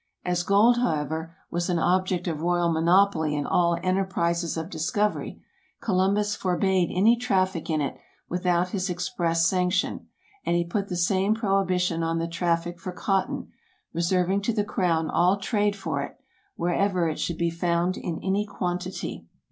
As gold, however, was an object of royal monopoly in all enterprises of discovery, Columbus forbade any traffic in it without his express sanction ; and he put the same prohibi tion on the traffic for cotton, reserving to the crown all trade for it, wherever it should be found in any quantity.